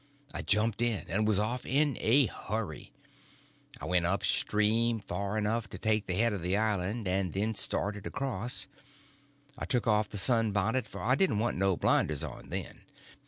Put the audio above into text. I jumped in, and was off in a hurry. I went up stream far enough to make the head of the island, and then started across. I took off the sun bonnet, for I didn't want no blinders on then.